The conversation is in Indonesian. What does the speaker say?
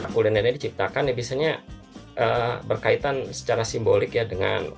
kulinernya diciptakan biasanya berkaitan secara simbolik dengan